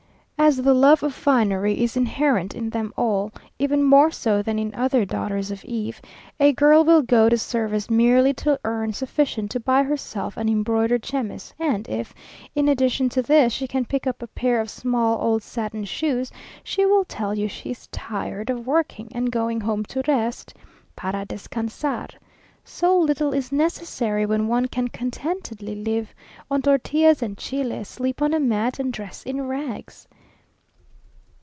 As the love of finery is inherent in them all, even more so than in other daughters of Eve, a girl will go to service merely to earn sufficient to buy herself an embroidered chemise; and if, in addition to this, she can pick up a pair of small old satin shoes, she will tell you she is tired of working, and going home to rest, "para descansar." So little is necessary, when one can contentedly live on tortillas and chile, sleep on a mat, and dress in rags!